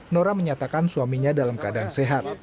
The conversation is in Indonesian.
nora menyatakan suaminya dalam keadaan sehat